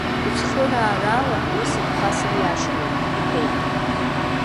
Уцхыраарала уи сыгха сыриашароуп, — иҳәеит.